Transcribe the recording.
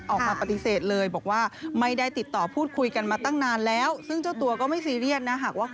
ออกมาปฏิเสธเลยบอกว่าไม่ได้ติดต่อพูดคุยกันมาตั้งนานแล้วซึ่งเจ้าตัวก็ไม่ซีเรียสนะหากว่า